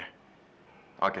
oke terima kasih